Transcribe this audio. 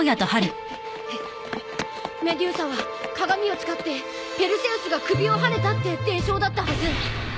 メデューサは鏡を使ってペルセウスが首をはねたって伝承だったはず。